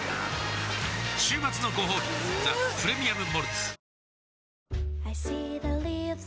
週末のごほうび「ザ・プレミアム・モルツ」